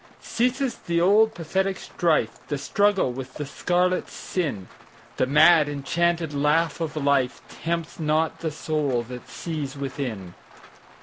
Ceases the old pathetic strife, The struggle with the scarlet sin:The mad enchanted laugh of lifeTempts not the soul that sees within.